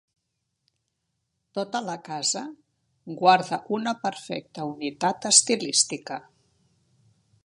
Tota la casa guarda una perfecta unitat estilística.